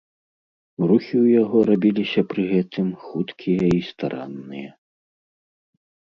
Рухі ў яго рабіліся пры гэтым хуткія і старанныя.